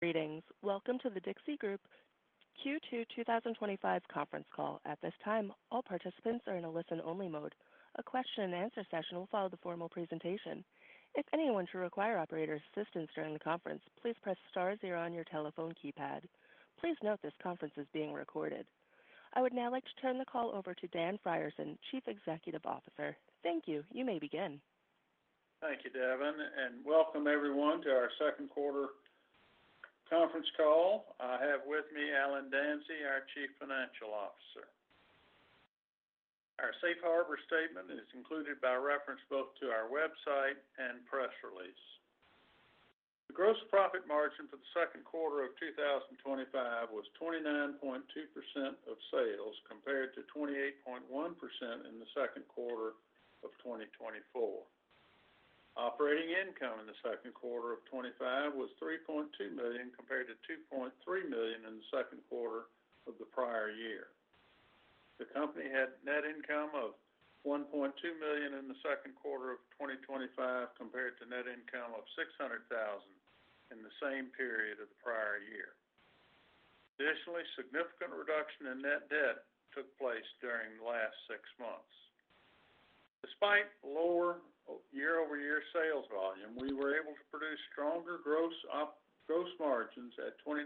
Greetings. Welcome to The Dixie Group Q2 2025 Conference Call. At this time, all participants are in a listen-only mode. A question and answer session will follow the formal presentation. If anyone should require operator assistance during the conference, please press star zero on your telephone keypad. Please note this conference is being recorded. I would now like to turn the call over to Dan Frierson, Chief Executive Officer. Thank you. You may begin. Thank you, Devon, and welcome everyone to our second quarter conference call. I have with me Allen Danzey, our Chief Financial Officer. Our safe harbor statement is included by reference both to our website and press release. The gross profit margin for the second quarter of 2025 was 29.2% of sales compared to 28.1% in the second quarter of 2024. Operating income in the second quarter of 2025 was $3.2 million compared to $2.3 million in the second quarter of the prior year. The company had net income of $1.2 million in the second quarter of 2025 compared to net income of $600,000 in the same period of the prior year. Additionally, a significant reduction in net debt took place during the last six months. Despite lower year-over-year sales volume, we were able to produce stronger gross margins at 29.2%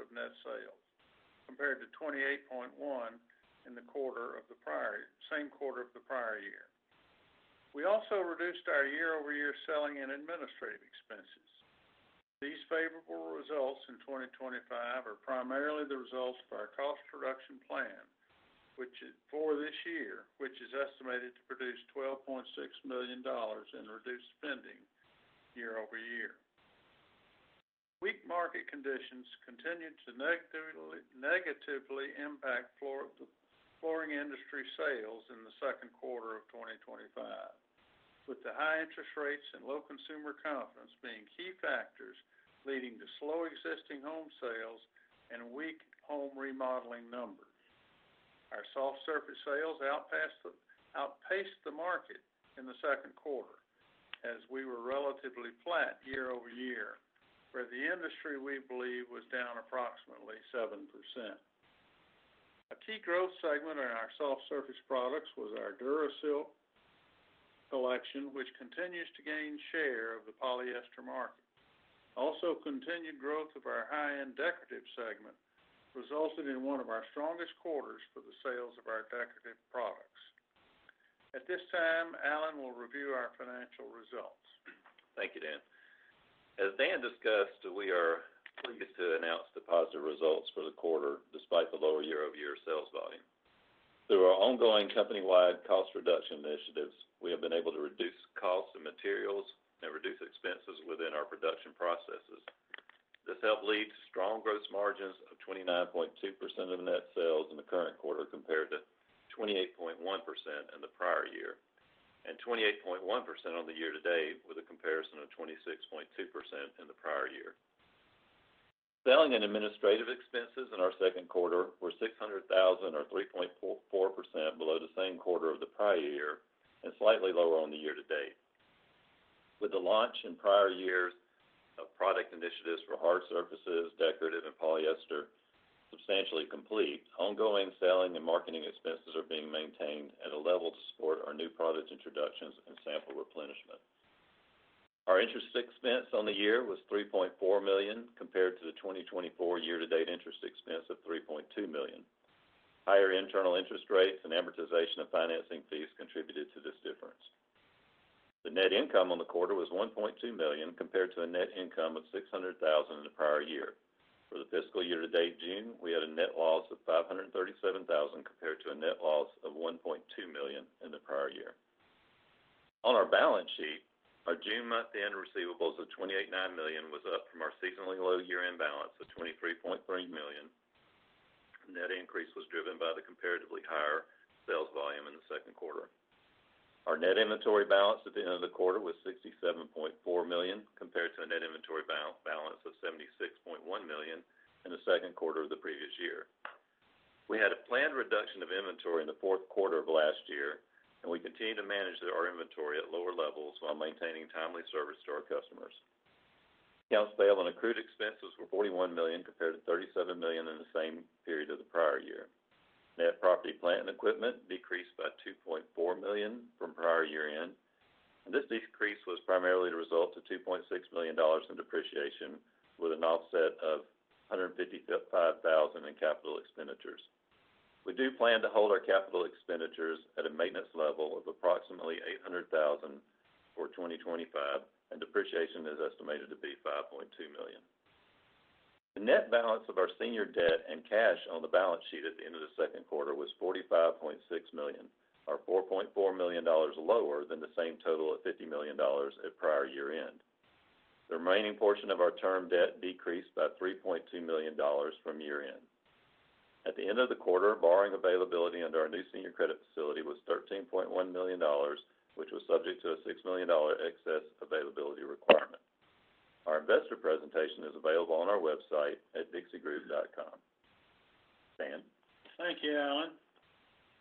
of net sales compared to 28.1% in the same quarter of the prior year. We also reduced our year-over-year selling and administrative expenses. These favorable results in 2025 are primarily the results of our cost reduction plan for this year, which is estimated to produce $12.6 million in reduced spending year over year. Weak market conditions continue to negatively impact flooring industry sales in the second quarter of 2025, with the high interest rates and low consumer confidence being key factors leading to slow existing home sales and weak home remodeling numbers. Our soft surface sales outpaced the market in the second quarter, as we were relatively flat year over year, where the industry we believe was down approximately 7%. A key growth segment in our soft surface products was our DuraSilk collection, which continues to gain share of the polyester market. Also, continued growth of our high-end decorative segment resulted in one of our strongest quarters for the sales of our decorative products. At this time, Allen will review our financial results. Thank you, Dan. As Dan discussed, we are pleased to announce the positive results for the quarter despite the lower year-over-year sales volume. Through our ongoing company-wide cost reduction initiatives, we have been able to reduce costs in materials and reduce expenses within our production processes. This helped lead to strong gross margins of 29.2% of net sales in the current quarter compared to 28.1% in the prior year and 28.1% on the year to date with a comparison of 26.2% in the prior year. Selling and administrative expenses in our second quarter were $600,000 or 3.4% below the same quarter of the prior year and slightly lower on the year to date. With the launch in prior years of product initiatives for hard surfaces, decorative, and polyester substantially complete, ongoing selling and marketing expenses are being maintained at a level to support our new product introductions and sample replenishment. Our interest expense on the year was $3.4 million compared to the 2024 year-to-date interest expense of $3.2 million. Higher internal interest rates and amortization of financing fees contributed to this difference. The net income on the quarter was $1.2 million compared to a net income of $600,000 in the prior year. For the fiscal year to date in June, we had a net loss of $537,000 compared to a net loss of $1.2 million in the prior year. On our balance sheet, our June month end receivables of $28.9 million was up from our seasonally loaded year end balance of $23.3 million. The net increase was driven by the comparatively higher sales volume in the second quarter. Our net inventory balance at the end of the quarter was $67.4 million compared to a net inventory balance of $76.1 million in the second quarter of the previous year. We had a planned reduction of inventory in the fourth quarter of last year, and we continue to manage our inventory at lower levels while maintaining timely service to our customers. The house sale and accrued expenses were $41 million compared to $37 million in the same period of the prior year. Net property plant and equipment decreased by $2.4 million from prior year end, and this decrease was primarily the result of $2.6 million of depreciation with an offset of $155,000 in capital expenditures. We do plan to hold our capital expenditures at a maintenance level of approximately $800,000 for 2025, and depreciation is estimated to be $5.2 million. The net balance of our senior debt and cash on the balance sheet at the end of the second quarter was $45.6 million, or $4.4 million lower than the same total of $50 million at prior year end. The remaining portion of our term debt decreased by $3.2 million from year end. At the end of the quarter, borrowing availability under our new senior credit facility was $13.1 million, which was subject to a $6 million excess availability requirement. Our investor presentation is available on our website at dixiegroup.com. Dan. Thank you, Allen.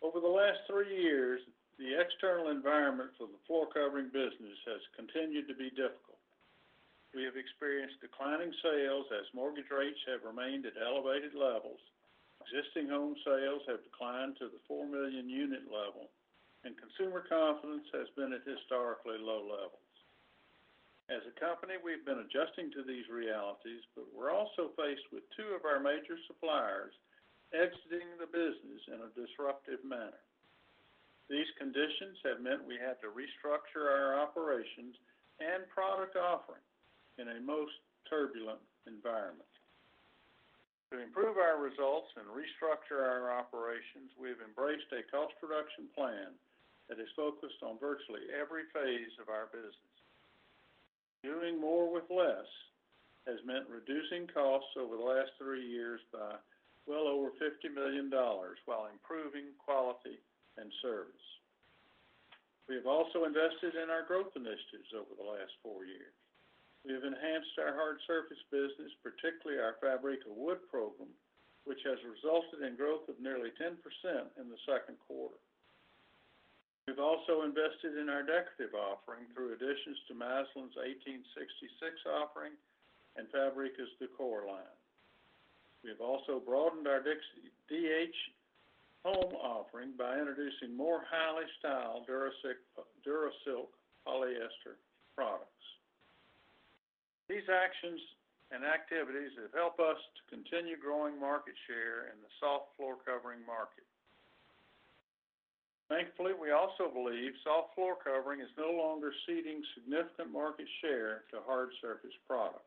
Over the last three years, the external environment for the floor covering business has continued to be difficult. We have experienced declining sales as mortgage rates have remained at elevated levels, existing home sales have declined to the 4 million unit level, and consumer confidence has been at historically low levels. As a company, we've been adjusting to these realities, but we're also faced with two of our major suppliers exiting the business in a disruptive manner. These conditions have meant we had to restructure our operations and product offering in a most turbulent environment. To improve our results and restructure our operations, we have embraced a cost reduction plan that is focused on virtually every phase of our business. Doing more with less has meant reducing costs over the last three years by well over $50 million while improving quality and service. We have also invested in our growth initiatives over the last four years. We have enhanced our hard surface business, particularly our Fabrica wood program, which has resulted in growth of nearly 10% in the second quarter. We've also invested in our decorative offering through additions to Masland's 1866 offering and Fabrica's Décor line. We have also broadened our DH home offering by introducing more highly styled DuraSilk polyester products. These actions and activities have helped us to continue growing market share in the soft floor covering market. Thankfully, we also believe soft floor covering is no longer ceding significant market share to hard surface products.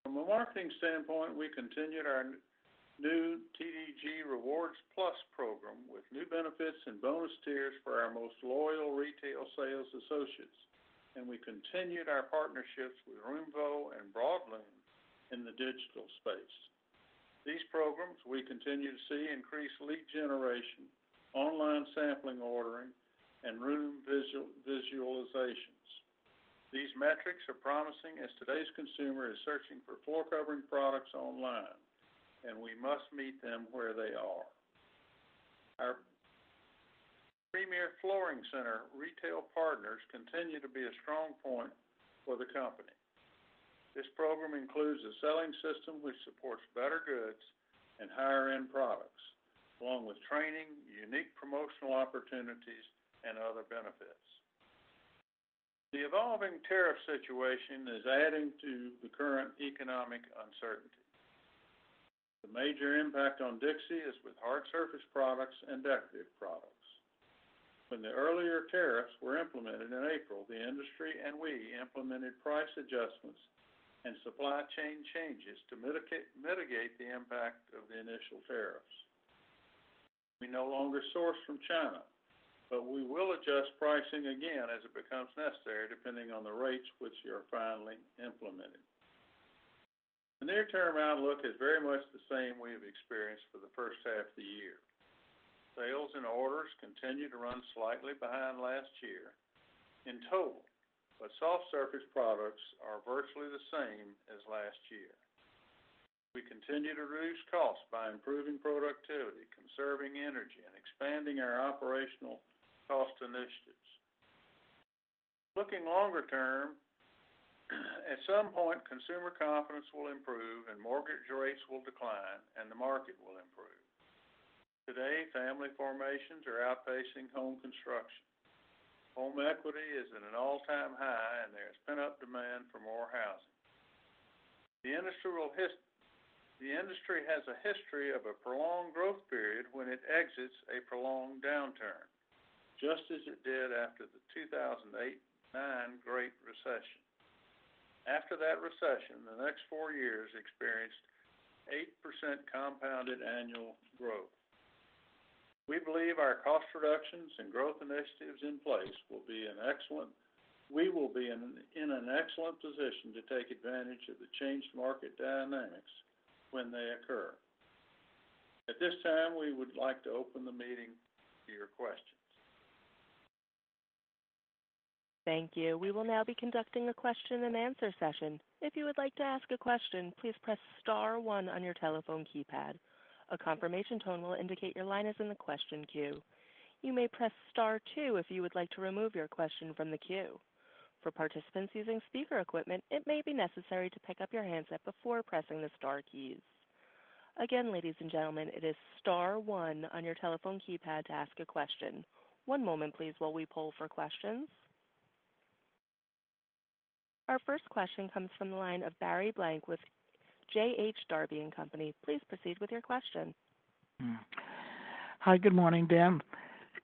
From a marketing standpoint, we continued our new TDG Rewards plus program with new benefits and bonus tiers for our most loyal retail sales associates, and we continued our partnerships with Roomvo and Broadlume in the digital space. These programs we continue to see increase lead generation, online sample ordering, and room visualizations. These metrics are promising as today's consumer is searching for floor covering products online, and we must meet them where they are. Our Premier Flooring Center retail partners continue to be a strong point for the company. This program includes a selling system which supports better goods and higher-end products, along with training, unique promotional opportunities, and other benefits. The evolving tariff situation is adding to the current economic uncertainty. The major impact on Dixie is with hard surface products and decorative products. When the earlier tariffs were implemented in April, the industry and we implemented price adjustments and supply chain changes to mitigate the impact of the initial tariffs. We no longer source from China, but we will adjust pricing again as it becomes necessary, depending on the rates which are finally implemented. The near-term outlook is very much the same we have experienced for the first half of the year. Sales and orders continue to run slightly behind last year in total, but soft surface products are virtually the same as last year. We continue to reduce costs by improving productivity, conserving energy, and expanding our operational cost initiatives. Looking longer term, at some point, consumer confidence will improve and mortgage rates will decline, and the market will improve. Today, family formations are outpacing home construction. Home equity is at an all-time high, and there is pent-up demand for more housing. The industry has a history of a prolonged growth period when it exits a prolonged downturn, just as it did after the 2008-2009 Great Recession. After that recession, the next four years experienced 8% compounded annual growth. We believe our cost reductions and growth initiatives in place will be in an excellent position to take advantage of the changed market dynamics when they occur. At this time, we would like to open the meeting to your questions. Thank you. We will now be conducting a question and answer session. If you would like to ask a question, please press star one on your telephone keypad. A confirmation tone will indicate your line is in the question queue. You may press star two if you would like to remove your question from the queue. For participants using speaker equipment, it may be necessary to pick up your handset before pressing the star keys. Again, ladies and gentlemen, it is star one on your telephone keypad to ask a question. One moment, please, while we poll for questions. Our first question comes from the line of Barry Blank with JH Darbie and Company. Please proceed with your question. Hi, good morning, Dan.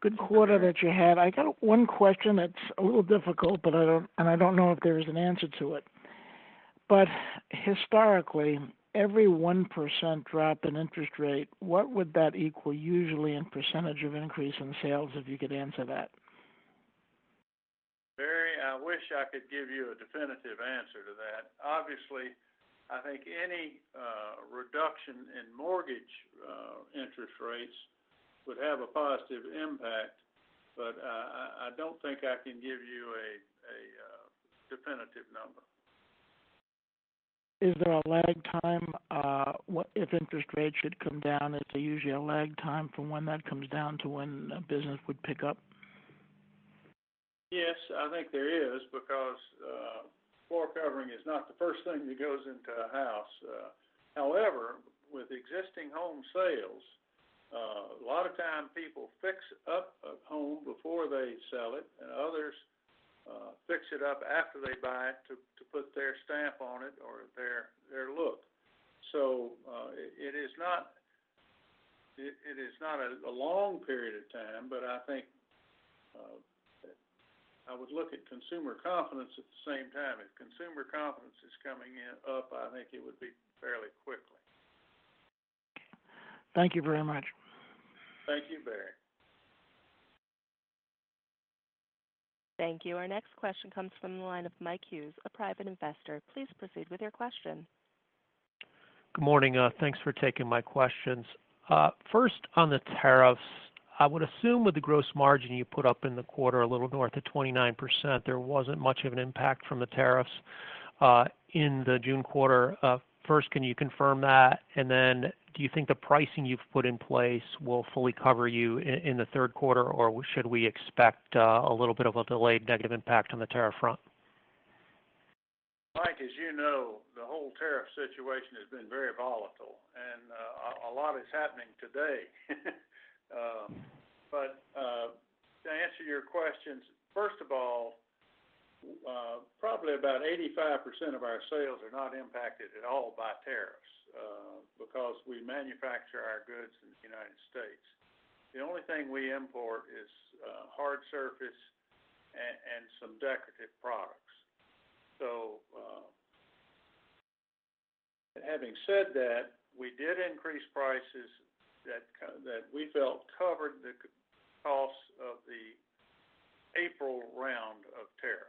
Good quarter that you had. I got one question that's a little difficult, but I don't know if there is an answer to it. Historically, every 1% drop in interest rate, what would that equal usually in percent of increase in sales if you could answer that? I wish I could give you a definitive answer to that. Obviously, I think any reduction in mortgage interest rates would have a positive impact, but I don't think I can give you a definitive number. Is there a lag time, what if interest rates should come down? Is there usually a lag time from when that comes down to when a business would pick up? Yes, I think there is because floor covering is not the first thing that goes into a house. However, with existing home sales, a lot of times people fix up a home before they sell it, and others fix it up after they buy it to put their stamp on it or their look. It is not a long period of time, but I think I would look at consumer confidence at the same time. If consumer confidence is coming up, I think it would be fairly quickly. Thank you very much. Thank you, Barry. Thank you. Our next question comes from the line of Mike Hughes, a private investor. Please proceed with your question. Morning. Thanks for taking my questions. First, on the tariffs, I would assume with the gross margin you put up in the quarter a little north of 29%, there wasn't much of an impact from the tariffs in the June quarter. First, can you confirm that? Do you think the pricing you've put in place will fully cover you in the third quarter, or should we expect a little bit of a delayed negative impact on the tariff front? Mike, as you know, the whole tariff situation has been very volatile, and a lot is happening today. To answer your questions, first of all, probably about 85% of our sales are not impacted at all by tariffs, because we manufacture our goods in the United States. The only thing we import is hard surface and some decorative products. Having said that, we did increase prices that we felt covered the costs of the April round of tariffs,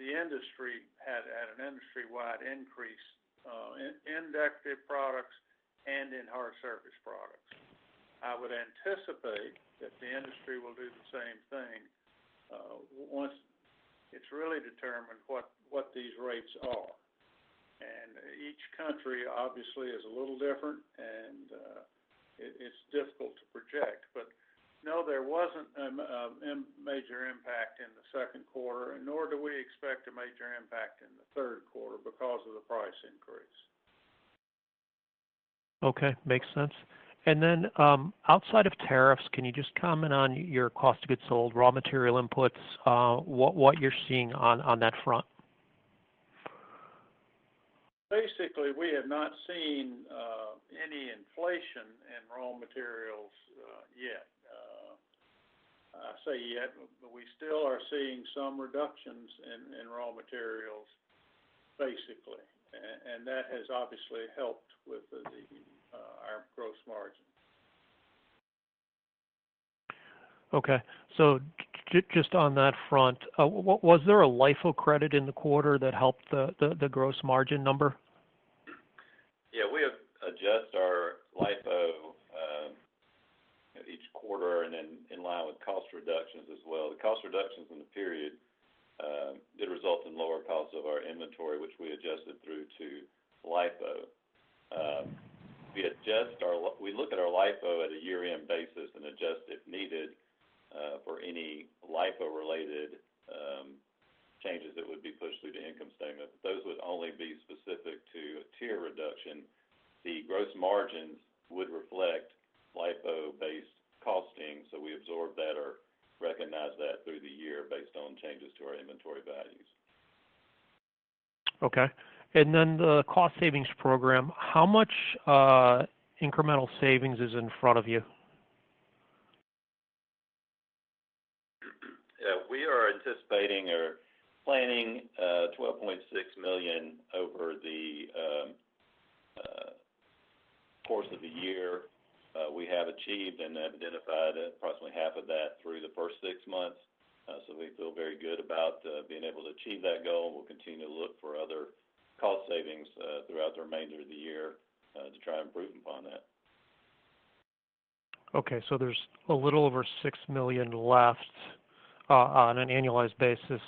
and the industry had an industry-wide increase in decorative products and in hard surface products. I would anticipate that the industry will do the same thing once it's really determined what these rates are. Each country, obviously, is a little different, and it's difficult to project. No, there wasn't a major impact in the second quarter, nor do we expect a major impact in the third quarter because of the price increase. Okay. Makes sense. Outside of tariffs, can you just comment on your cost to get sold raw material inputs, what you're seeing on that front? Basically, we have not seen any inflation in raw materials yet. I say yet, but we still are seeing some reductions in raw materials, basically. That has obviously helped with our gross margin. Okay. Just on that front, was there a LIFO credit in the quarter that helped the gross margin number? Yeah. We have adjusted our LIFO each quarter and then in line with cost reductions as well. The cost reductions in the period did result in lower costs of our inventory, which we adjusted through to LIFO. We adjust our, we look at our LIFO at a year-end basis and adjust if needed for any LIFO-related changes that would be pushed through the income statement. Those would only be specific to a tier reduction. The gross margins would reflect LIFO-based costing, so we absorb that or recognize that through the year based on changes to our inventory values. Okay. The cost savings program, how much incremental savings is in front of you? Yeah. We are anticipating or planning $12.6 million over the course of the year. We have achieved and have identified approximately half of that through the first six months. We feel very good about being able to achieve that goal. We'll continue to look for other cost savings throughout the remainder of the year to try to improve upon that. Okay. There's a little over $6 million left, on an annualized basis,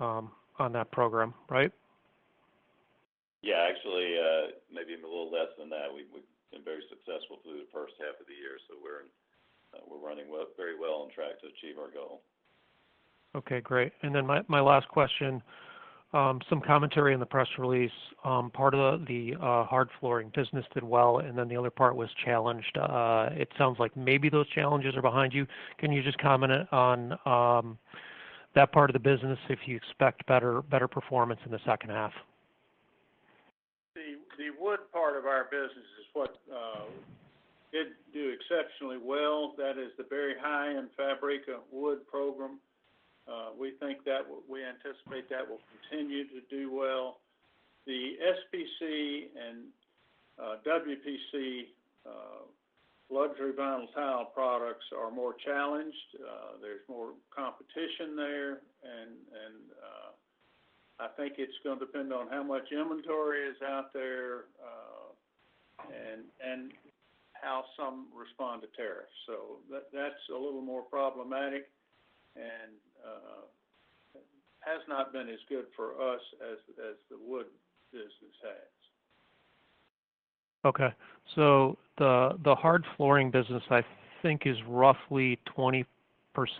on that program, right? Actually, maybe even a little less than that. We've been very successful through the first half of the year. We're running very well on track to achieve our goal. Okay. Great. My last question, some commentary in the press release, part of the hard flooring business did well, and then the other part was challenged. It sounds like maybe those challenges are behind you. Can you just comment on that part of the business, if you expect better performance in the second half? The wood part of our business is what did do exceptionally well. That is the very high-end Fabrica wood program. We think that we anticipate that will continue to do well. The SPC and WPC luxury vinyl tile products are more challenged. There's more competition there. I think it's going to depend on how much inventory is out there, and how some respond to tariffs. That is a little more problematic and has not been as good for us as the wood business has. Okay. The hard flooring business, I think, is roughly 20%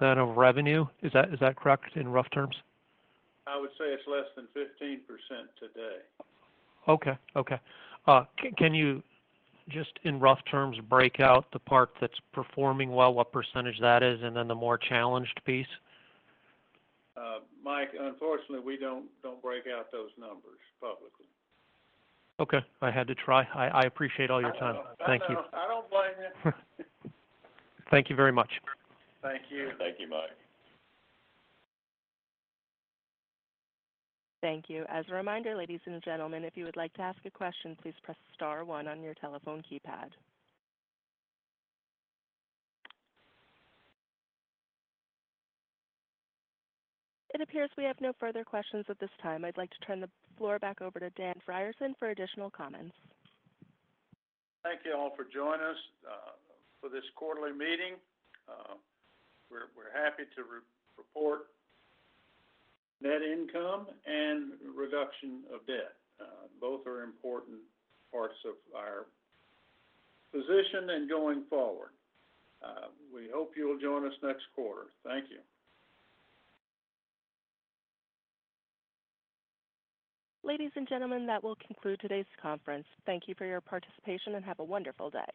of revenue. Is that correct in rough terms? I would say it's less than 15% today. Okay. Can you just in rough terms break out the part that's performing well, what percent that is, and then the more challenged piece? Mike, unfortunately, we don't break out those numbers publicly. Okay. I had to try. I appreciate all your time. Thank you. I don't blame you. Thank you very much. Thank you. Thank you, Mike. Thank you. As a reminder, ladies and gentlemen, if you would like to ask a question, please press star one on your telephone keypad. It appears we have no further questions at this time. I'd like to turn the floor back over to Dan Frierson for additional comments. Thank you all for joining us for this quarterly meeting. We're happy to report net income and reduction of debt. Both are important parts of our position and going forward. We hope you'll join us next quarter. Thank you. Ladies and gentlemen, that will conclude today's conference. Thank you for your participation and have a wonderful day.